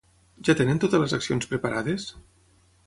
Ja tenen totes les accions preparades?